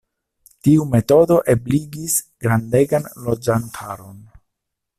Tiu metodo ebligis grandegan loĝantaron.